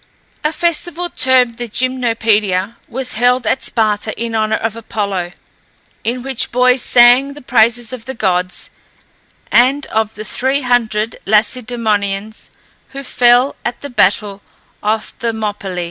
A festival termed the Gymnopedæa was held at Sparta in honour of Apollo, in which boys sang the praises of the gods, and of the three hundred Lacedæmonians who fell at the battle of Thermopylæ.